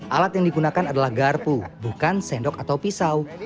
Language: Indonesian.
alat yang digunakan adalah garpu bukan sendok atau pisau